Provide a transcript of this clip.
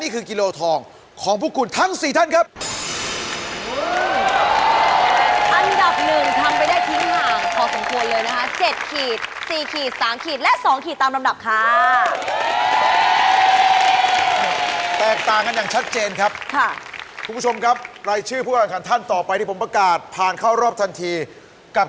พร้อมนะครับ